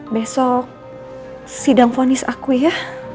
besok sidang fonis aku ya